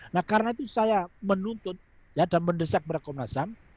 nah karena itu saya menuntut dan mendesak pada komnas ham